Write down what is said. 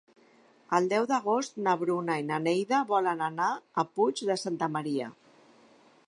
El deu d'agost na Bruna i na Neida volen anar al Puig de Santa Maria.